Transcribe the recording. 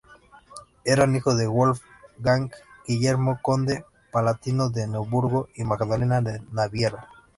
Era hijo de Wolfgang Guillermo, conde palatino de Neoburgo, y Magdalena de Baviera.